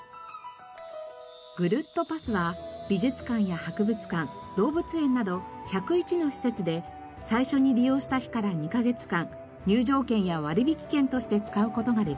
ぐるっとパスは美術館や博物館動物園など１０１の施設で最初に利用した日から２カ月間入場券や割引券として使う事ができます。